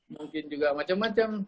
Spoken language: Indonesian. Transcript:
mungkin juga macam macam